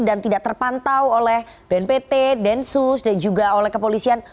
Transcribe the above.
dan tidak terpantau oleh bnpt densus dan juga oleh kepolisian